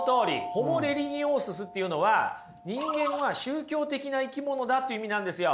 ホモ・レリギオーススっていうのは人間は宗教的な生き物だという意味なんですよ。